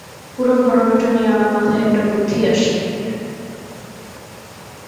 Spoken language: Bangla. পুরো ঘটনাটা নিয়ে আমার মাথায় একটা বুদ্ধি আসে।